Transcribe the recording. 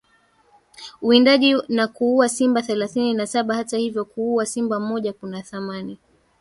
uwindaji na kuua simba Thelathini na saba Hata hivyo kuua simba mmoja kuna thamani